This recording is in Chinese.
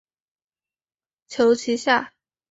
求其下